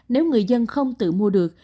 nếu người dân không tự mua được